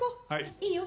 いいよ。